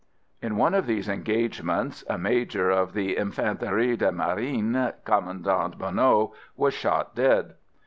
In one of these engagements a major of the Infanterie de Marine, Commandant Bonneau, was shot dead.